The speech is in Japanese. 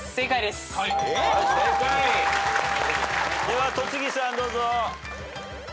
では戸次さんどうぞ。